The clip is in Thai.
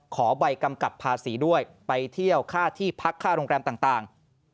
ขอใบกำกับภาษีด้วยไปเที่ยวค่าที่พักค่าโรงแรมต่าง